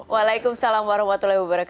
waalaikumsalam wr wb